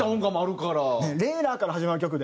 「レラ」から始まる曲で。